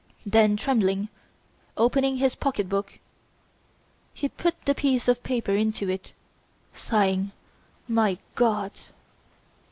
Then tremblingly opening his pocket book he put the piece of paper into it, sighing: "My God!"